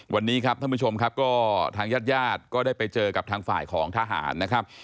วันนี้ครับท่านผู้ชมครับก็ทางญาติญาติก็ได้ไปเจอกับทางฝ่ายของทหารนะครับ